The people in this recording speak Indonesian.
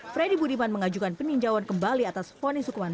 freddy budiman mengajukan peninjauan dan salinan dalam kondisi tersebut